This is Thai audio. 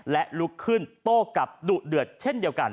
และลุกขึ้นโต้กลับดุเดือดเช่นเดียวกัน